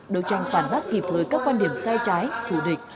đấu tranh phản bác kịp hơi các quan điểm sai trái thù địch